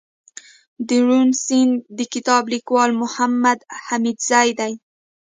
دروڼ سيند دکتاب ليکوال محمودحميدزى دئ